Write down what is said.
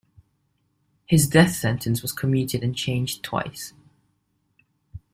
His death sentence was commuted and changed twice.